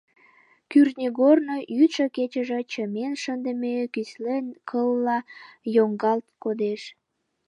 Кӱртньыгорно йӱдшӧ-кечыже чымен шындыме кӱсле кылла йоҥгалт кодеш.